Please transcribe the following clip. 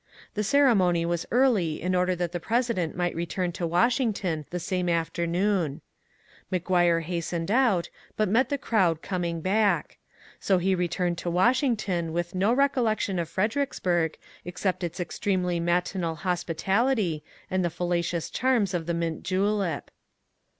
The ceremony was early in order that the President might return ANTE BELLUM WASHINGTON 207 to Washington the same afternoon. McGuire hastened out, but met the crowd coming back. So he returned to Washing ton with no recollection of Fredericksburg except its ex tremely matinal hospitality and the fallacious charms of the mint julep.